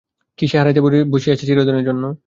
কী সে হারাইতে বসিয়াছে চিরদিনের জন্য?